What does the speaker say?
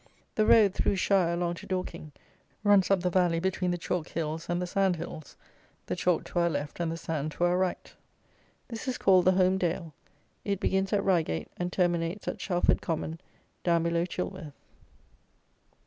The road, through Shire along to Dorking, runs up the valley between the chalk hills and the sand hills; the chalk to our left and the sand to our right. This is called the Home Dale. It begins at Reigate and terminates at Shalford Common, down below Chilworth.